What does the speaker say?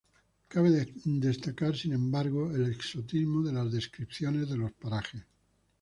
Cabe destacar, sin embargo, el exotismo de las descripciones de los parajes.